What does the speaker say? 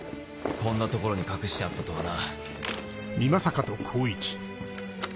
こんな所に隠してあったとはな。